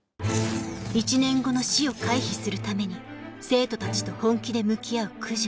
１年後の死を回避するために生徒たちと本気で向き合う九条